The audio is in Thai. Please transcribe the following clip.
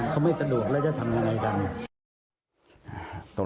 เขาไม่สะดวกแล้วจะทำยังไงกัน